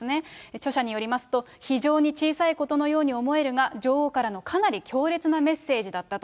著者によりますと、非常に小さいことのように思えるが、女王からのかなり強烈なメッセージだったと。